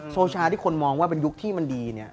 โซชาที่คนมองว่าเป็นยุคที่มันดีเนี่ย